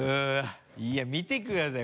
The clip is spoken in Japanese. いや見てください！